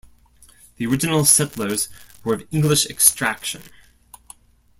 The original settlers were of English extraction.